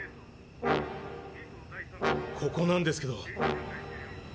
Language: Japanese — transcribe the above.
ここなんですけど。